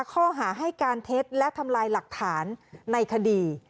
ข้อหาให้การเท็จและทำลายหลักฐานในคดี